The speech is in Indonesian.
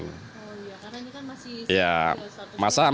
karena ini kan masih sewas was